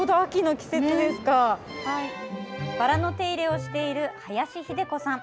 バラの手入れをしている林英子さん。